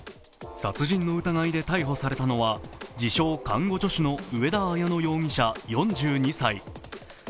殺人の疑いで逮捕されたのは、自称看護助手の上田綾乃容疑者４２歳。